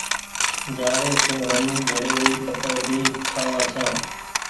جآڙي سون هم گھري ري پتر ڀي ٺآ وآن ڇآن۔